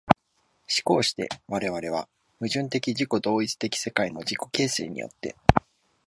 而して我々は矛盾的自己同一的世界の自己形成によって、